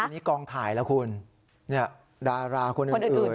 อันนี้กองถ่ายแล้วคุณดาราคนอื่น